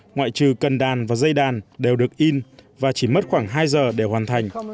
ngoại trừ cần đàn và dây đàn đều được in và chỉ mất khoảng hai giờ để hoàn thành